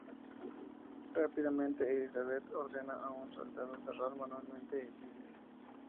Rápidamente Elizabeth ordena a un soldado cerrar manualmente el Iris.